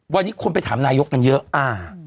วันนี้คนไปถามนายกกันเยอะอ่า